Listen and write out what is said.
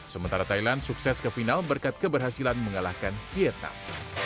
sementara thailand sukses ke final berkat keberhasilan mengalahkan vietnam